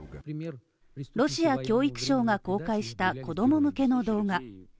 ロシア教育省が公開した子供向けの動画。